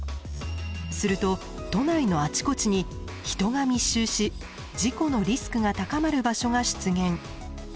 すると都内のあちこちに人が密集し事故のリスクが高まる場所が出現。